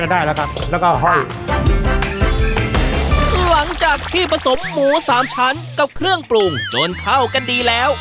ได้แล้วครับแล้วก็ห้อยหลังจากที่ผสมหมูสามชั้นกับเครื่องปรุงจนเข้ากันดีแล้ว